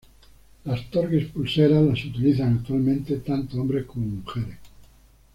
Las torques pulseras las utilizan actualmente tanto hombres como mujeres.